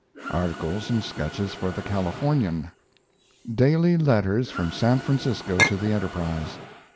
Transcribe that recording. Articles and sketches for the Californian. Daily letters from San Francisco to the Enterprise.